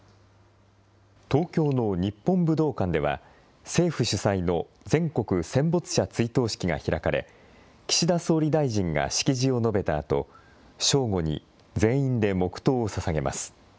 東京の日本武道館では、政府主催の全国戦没者追悼式が開かれ、岸田総理大臣が式辞を述べたあと、正午に全員で黙とうをささげます。